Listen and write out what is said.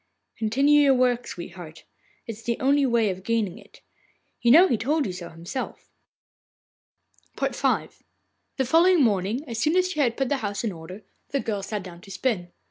'Continue your work, sweetheart. It is the only way of gaining it. You know he told you so himself.' V The following morning, as soon as she had put the house in order, the girl sat down to spin.